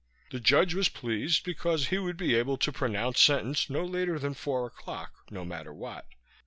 The judge was pleased because he would be able to pronounce sentence no later than four o'clock, no matter what.